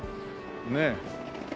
ねえ。